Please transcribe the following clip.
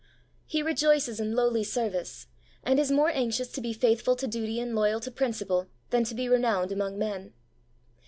He rejoices in lowly service, and 56 THE WAY OF HOLINESS is more anxious to be faithful to duty and loyal to principle than to be renowned among" men.